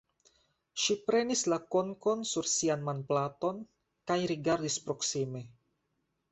Ŝi prenis la konkon sur sian manplaton kaj rigardis proksime.